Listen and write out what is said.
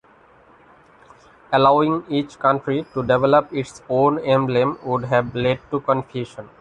Allowing each country to develop its own emblem would have led to confusion.